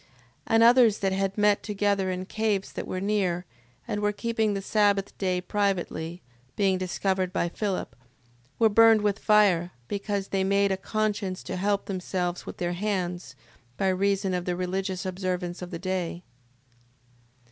6:11. And others that had met together in caves that were near, and were keeping the sabbath day privately, being discovered by Philip, were burnt with fire, because they made a conscience to help themselves with their hands, by reason of the religious observance of the day.